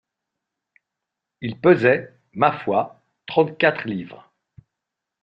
Il pesait, ma foi, trente-quatre livres!